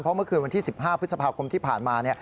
เมื่อคืนวันที่๑๕พฤษภาคมที่ผ่านมา